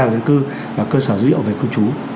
về dân cư và cơ sở dữ liệu về cư trú